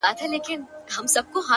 • رپول مي بیرغونه هغه نه یم ,